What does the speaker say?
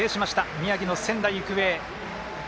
宮城の仙台育英。